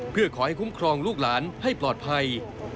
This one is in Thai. เพื่อขอให้คุ้มครองลูกหลานให้ปลอดภัย